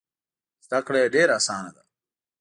زده کړه یې ډېره اسانه ده.